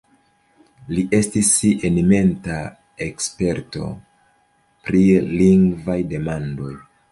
Li estis eminenta eksperto pri lingvaj demandoj.